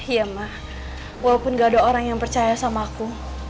iya mah walaupun gak ada orang yang percaya sama aku